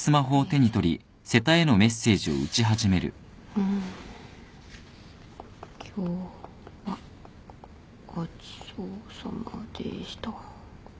うーん今日はごちそうさまでした。